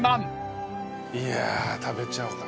いや食べちゃおうかな。